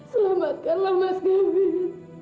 selamatkanlah mas kevin